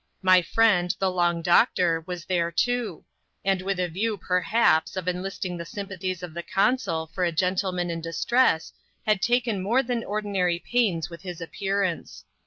My friend, the Long Doctor, was there too ; and rith a view, perhaps, of enlisting the sympathies of the consul )r a gentleman in distress, had taken more than ordinary pains rith his appearance.